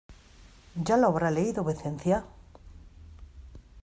¿ ya lo habrá leído vuecencia?